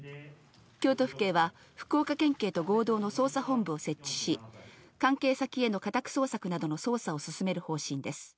京都府警は、福岡県警と合同の捜査本部を設置し、関係先への家宅捜索などの捜査を進める方針です。